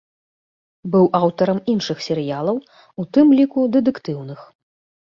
Быў аўтарам іншых серыялаў, у тым ліку дэтэктыўных.